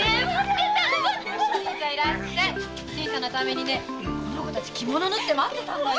新さんのためにこの子たち着物を縫って待ってたのよ。